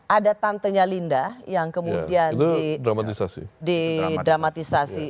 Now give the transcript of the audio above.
ada tantenya linda yang kemudian di dramatisasi